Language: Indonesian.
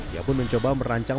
ia pun mencoba merancang